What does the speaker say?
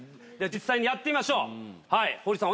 実際にやってみましょう堀さん